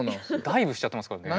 ダイブしちゃってますからね。